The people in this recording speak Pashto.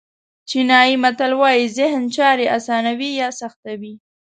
چینایي متل وایي ذهن چارې آسانوي یا سختوي.